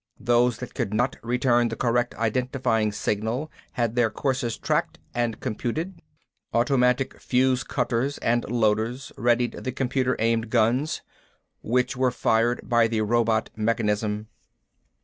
Those that could not return the correct identifying signal had their courses tracked and computed, automatic fuse cutters and loaders readied the computer aimed guns which were fired by the robot mechanism."